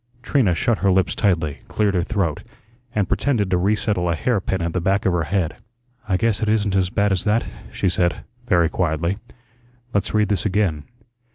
Trina shut her lips tightly, cleared her throat, and pretended to resettle a hair pin at the back of her head. "I guess it isn't as bad as that," she said, very quietly. "Let's read this again.